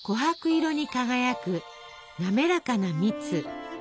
琥珀色に輝く滑らかな蜜。